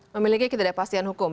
memiliki ketidakpastian hukum